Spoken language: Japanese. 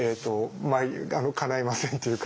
かないませんっていうか。